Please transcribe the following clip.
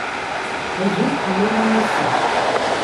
Azul fell-am a massa.